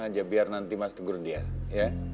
aja biar nanti mas tegur dia ya